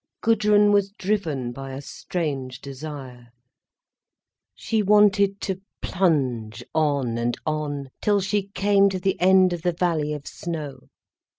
Gudrun was driven by a strange desire. She wanted to plunge on and on, till she came to the end of the valley of snow.